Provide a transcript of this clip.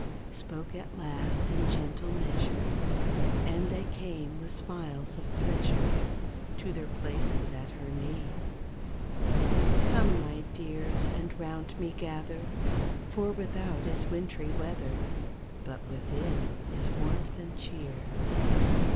Spoke at last in gentle measure And they came with smiles of pleasure To their places at her knee. ''Come, my dears, and 'round me gather For without is wintry weather. But within is warmth and cheer.